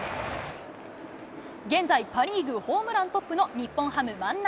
現在、パ・リーグホームラントップの日本ハム、万波。